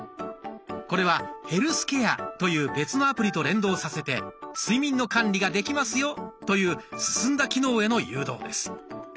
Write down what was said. これは「ヘルスケア」という別のアプリと連動させて睡眠の管理ができますよという進んだ機能への誘導です。